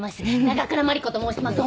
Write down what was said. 長倉万理子と申します。